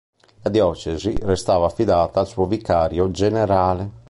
La diocesi restava affidata al suo vicario generale.